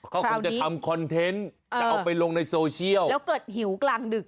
เขาคงจะทำคอนเทนต์จะเอาไปลงในโซเชียลแล้วเกิดหิวกลางดึก